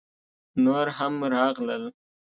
_نور هم راغلل!